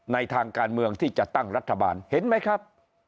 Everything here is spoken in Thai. ทางการเมืองที่จะตั้งรัฐบาลเห็นไหมครับ